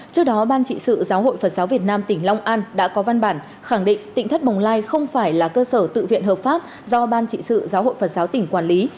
trước đó ban trị sự giáo hội phật giáo việt nam tỉnh long an đã có văn bản khẳng định tỉnh thất bồng lai không phải là cơ sở tự viện hợp pháp do ban trị sự giáo hội phật giáo tỉnh quản lý